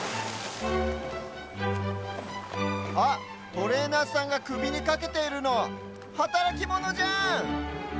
あっトレーナーさんがくびにかけているのはたらきモノじゃん！